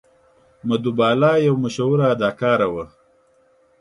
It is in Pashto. مدهو بالا یوه مشهوره اداکاره وه.